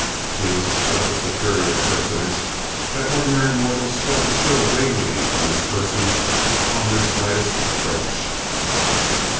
He was such a superior personage that ordinary mortals felt a chill radiating from his person on their slightest approach.